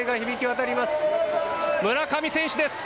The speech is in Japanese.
村上選手です！